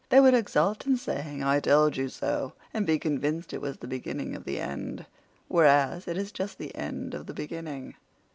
They would exult in saying 'I told you so,' and be convinced it was the beginning of the end. Whereas it is just the end of the beginning."